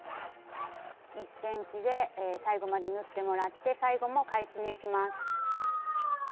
１ｃｍで最後まで縫ってもらって最後も返し縫いします。